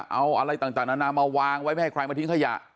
เอาอะไรต่างนานามาวางไว้ไม่ให้ใครมาทิ้งขยะ